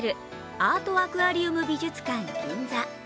アートアクアリウム美術館ＧＩＮＺＡ。